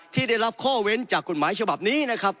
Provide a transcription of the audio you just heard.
ที่ได้รับข้อเว้นจากกฎหมายฉบับนี้นะครับ